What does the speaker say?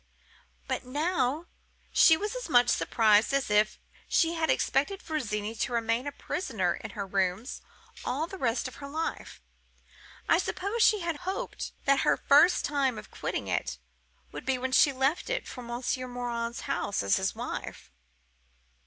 But now she was as much surprised as if she had expected Virginie to remain a prisoner in her rooms all the rest of her life. I suppose she had hoped that her first time of quitting it would be when she left it for Monsieur Morin's house as his wife.